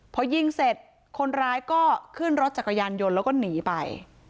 พอยิงเสร็จคนร้ายก็ขึ้นรถจักรยานยนต์แล้วก็หนีไป